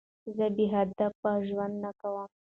زه بېهدف ژوند نه کوم.